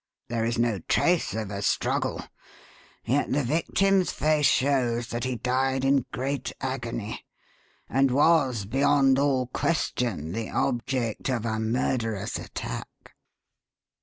There is no trace of a struggle, yet the victim's face shows that he died in great agony, and was beyond all question the object of a murderous attack."